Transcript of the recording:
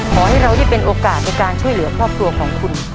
ขอให้เราได้เป็นโอกาสในการช่วยเหลือครอบครัวของคุณ